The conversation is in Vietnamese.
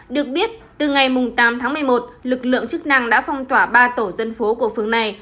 được biết từ ngày tám tháng một mươi một lực lượng chức năng đã phong tỏa ba tổ dân phố của phường này